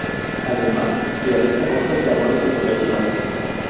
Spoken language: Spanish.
Además, realiza otras labores educativas.